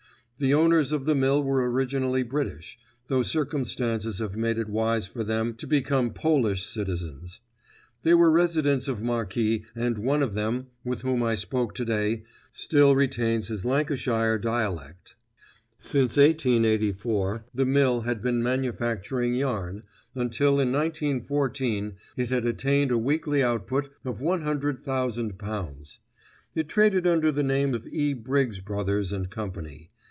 The owners of the mill were originally British, though circumstances have made it wise for them to become Polish citizens. They were residents of Marki and one of them, with whom I spoke today, still retains his Lancashire dialect. Since 1884 the mill had been manufacturing yarn, until in 1914 it had attained a weekly output of one hundred thousand pounds. It traded under the name of E. Briggs Brothers and Company.